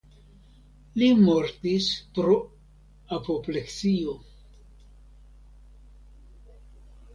Li mortis pro apopleksio.